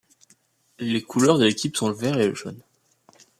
Les couleurs de l’équipe sont le vert et le jaune.